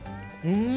うん！